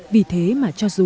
vì thế mà cho dân trồng